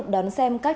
trong lúc bảo vệ